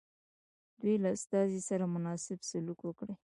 دوی له استازي سره مناسب سلوک وکړي.